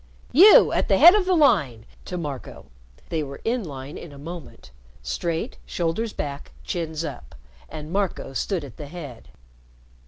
You at the head of the line," to Marco. They were in line in a moment straight, shoulders back, chins up. And Marco stood at the head.